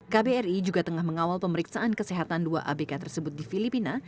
kbri juga tengah mengawal pemeriksaan kesehatan dua abk tersebut di filipina